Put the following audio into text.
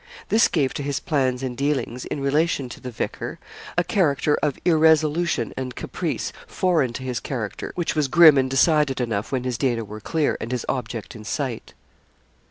This gave to his plans and dealings in relation to the vicar a character of irresolution and caprice foreign to his character, which was grim and decided enough when his data were clear, and his object in sight.